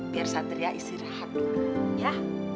biar satria istirahat dulu ya